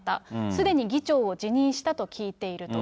すでに議長を辞任したと聞いていると。